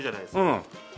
うん。